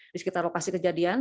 di sekitar lokasi kejadian